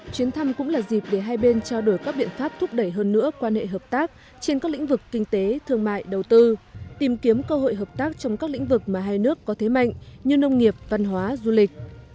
chuyến thăm cũng là dịp để hai bên trao đổi các biện pháp thúc đẩy hơn nữa quan hệ hợp tác trên các lĩnh vực kinh tế thương mại đầu tư tìm kiếm cơ hội hợp tác trong các lĩnh vực mà hai nước có thế mạnh như nông nghiệp văn hóa du lịch